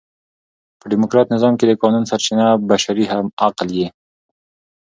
په ډیموکراټ نظام کښي د قانون سرچینه بشري عقل يي.